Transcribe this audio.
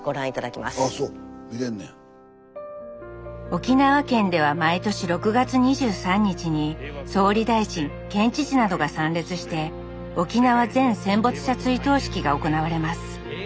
沖縄県では毎年６月２３日に総理大臣県知事などが参列して「沖縄全戦没者追悼式」が行われます。